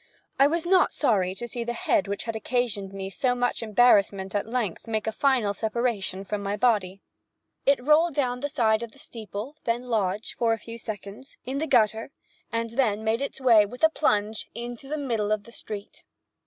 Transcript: I was not sorry to see the head which had occasioned me so much embarrassment at length make a final separation from my body. It first rolled down the side of the steeple, then lodge, for a few seconds, in the gutter, and then made its way, with a plunge, into the middle of the street.